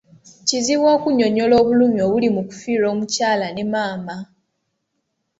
Kizibu okunnyonnyola obulumi obuli mu kufiirwa omukyala ne maama.